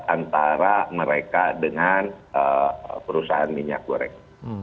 antara mereka dengan perusahaan minyak goreng